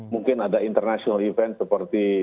mungkin ada international event seperti